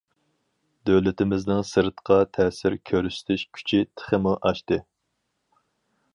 دۆلىتىمىزنىڭ سىرتقا تەسىر كۆرسىتىش كۈچى تېخىمۇ ئاشتى.